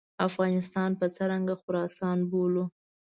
افغانستان به څرنګه خراسان بولو.